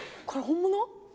これ本物？